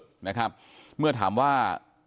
ทางรองศาสตร์อาจารย์ดรอคเตอร์อัตภสิตทานแก้วผู้ชายคนนี้นะครับ